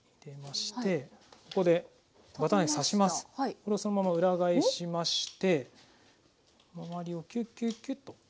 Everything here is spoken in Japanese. これをそのまま裏返しまして周りをキュッキュッキュッと。